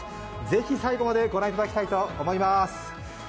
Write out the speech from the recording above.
ぜひ最後までご覧いただきたいと思います。